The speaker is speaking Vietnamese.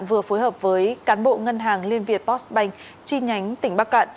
vừa phối hợp với cán bộ ngân hàng liên việt postbank chi nhánh tỉnh bắc cạn